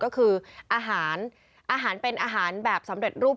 ก็คืออาหารอาหารเป็นอาหารแบบสำเร็จรูป